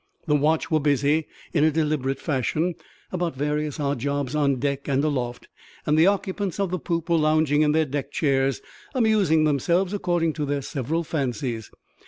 The watch were busy, in a deliberate fashion, about various odd jobs on deck and aloft; and the occupants of the poop were lounging in their deck chairs, amusing themselves according to their several fancies.